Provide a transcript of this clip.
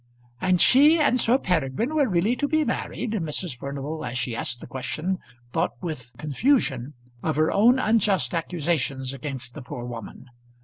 "And she and Sir Peregrine were really to be married?" Mrs. Furnival, as she asked the question, thought with confusion of her own unjust accusations against the poor woman.